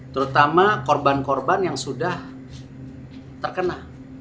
terutama korban korban yang sudah terkena